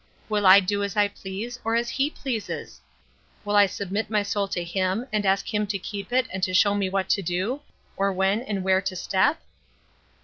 will I do as I please or as he pleases? will I submit my soul to him, and ask him to keep it and to show me what to do, or when and where to step?"